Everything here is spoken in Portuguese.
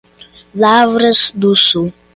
Lavras do Sul